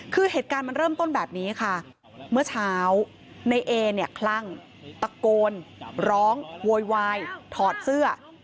คือเหตุการณ์มันเริ่มต้นแบบนี้ค่ะเมื่อเช้าในเอเนี่ยคลั่งตะโกนร้องโวยวายถอดเสื้อ